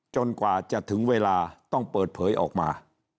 กว่าจะถึงเวลาต้องเปิดเผยออกมา